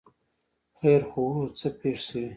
ـ خیر خو وو، څه پېښه شوې؟